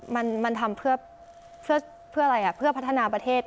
มันทำเพื่อเพื่ออะไรอ่ะเพื่อพัฒนาประเทศ